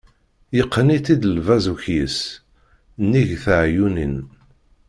Yeqqen-itt-id lbaz ukyis, nnig teɛyunin.